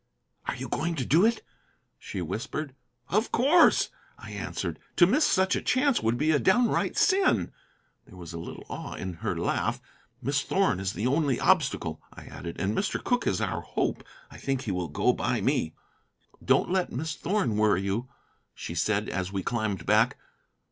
"Are you going to do it?" she whispered. "Of course," I answered. "To miss such a chance would be a downright sin." There was a little awe in her laugh. "Miss Thorn is the only obstacle," I added, "and Mr. Cooke is our hope. I think he will go by me." "Don't let Miss Thorn worry you," she said as we climbed back.